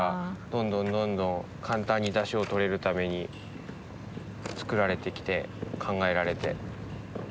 どんどんどんどん簡単にだしをとれるために作られてきて考えられて。